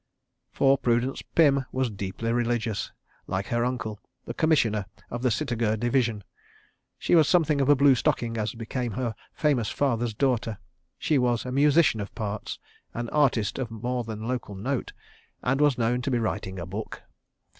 For Prudence Pym was deeply religious, like her uncle, the Commissioner of the Sitagur Division; she was something of a blue stocking as became her famous father's daughter; she was a musician of parts, an artist of more than local note, and was known to be writing a Book.